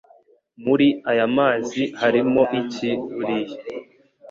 Muri aya mazi harimo iki buriya